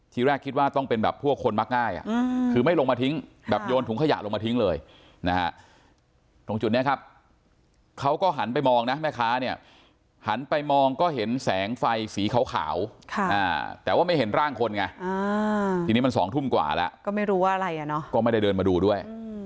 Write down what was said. ที่แรกคิดว่าต้องเป็นแบบทั่วคนบั๊กง่าย